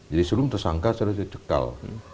jadi sebelum tersangka saya dicekal